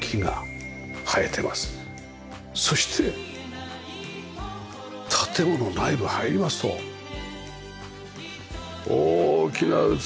そして建物内部入りますと大きな器です。